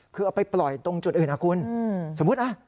คือเอาไปปล่อยตรงจุดอื่นนะคุณสมมุตินะ